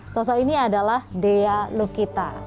sosok ini adalah dea lukita